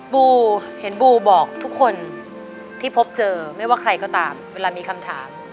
บูเห็นบูบอกทุกคนที่พบเจอไม่ว่าใครก็ตามเวลามีคำถาม